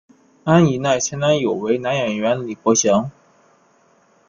安苡爱前男友为男演员李博翔。